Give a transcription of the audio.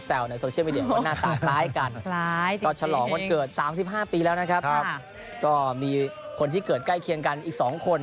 แต่ว่าบวกขาวเนี้ยเกิดตรงวันเลย